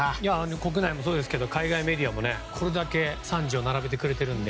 国内もそうですが海外メディアもこれだけ賛辞を並べてくれてるので。